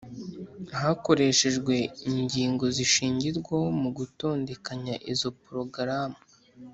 hakoreshejwe ingingo zishingirwaho mu gutondekanya izo porogaramu